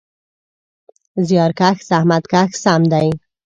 زیارکښ: زحمت کښ سم دی.